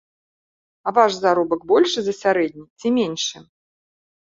А ваш заробак большы за сярэдні ці меншы?